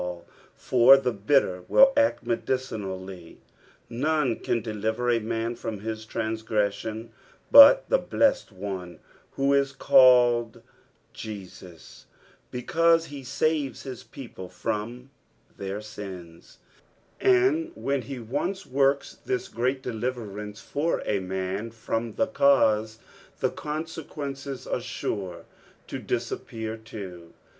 l, for the bitter will act medicinHlly. Kone can deliver a man from his tranngre!«ion but the blessed One who is called Jesnp, because he saves his people from their sins ; and when he once woiks this great deliverance for a mnn from the cause, the conseijuencea are sure to dis appear too.